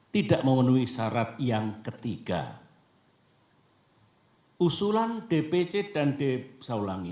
tidak memenuhi syarat yang ketiga